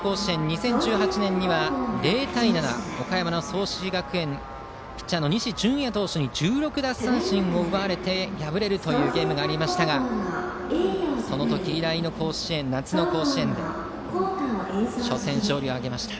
２０１７年には０対７と、岡山の創志学園ピッチャーの西純矢投手に１６奪三振を奪われて敗れるというゲームがありましたが夏の甲子園初戦勝利です。